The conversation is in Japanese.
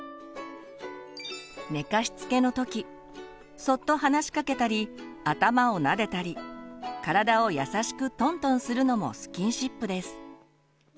寝かしつけの時そっと話しかけたり頭をなでたり体を優しくトントンするのもスキンシップです。